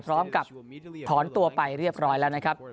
พร้อมกับถอนตัวไปเรียบร้อยแล้วนะครับ